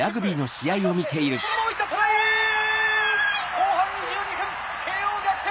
後半２２分慶應逆転！